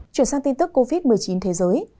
chuyển sang tin tức covid một mươi chín thế giới